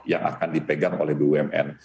yang akan dipegang oleh bumn